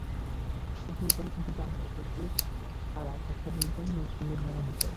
তবে শুধু গান নয়, ফেরদৌস আরা কথা বলবেন নজরুলের নানা বিষয়ে।